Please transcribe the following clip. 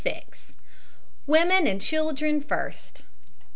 "WOMEN AND CHILDREN FIRST!"